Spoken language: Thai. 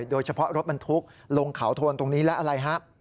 โดยเฉพาะรถบรรทุกลงเขาโทนตรงนี้แล้วอะไรฮะ